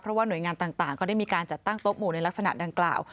เพราะว่าหน่วยงานต่างก็ได้มีการจัดตั้งโต๊ะหมู่ในลักษณะดังกล่าว